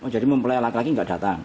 jadi mempelai laki laki tidak datang